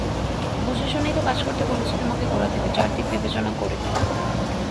বুঝেশুনেই তো কাজ করতে বলেছি তোমাকে গোড়া থেকে, চারদিক বিবেচনা করে।